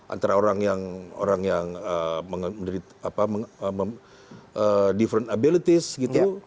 antara orang yang different abilities gitu